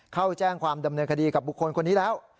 เข้าแจ้งความดำเนินคดีกับบุคคลคนนี้แล้ว